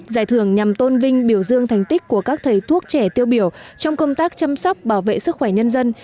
giải thưởng nhằm tôn vinh biểu dương thành tích của các thầy thuốc trẻ tiêu biểu trong công tác chăm sóc bảo vệ sức khỏe nhân dân